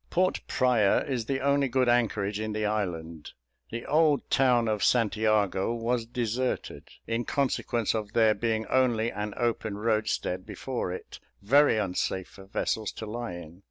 Port Praya is the only good anchorage in the island; the old town of St Jago was deserted, in consequence of there being only an open roadstead before it, very unsafe for vessels to lie in.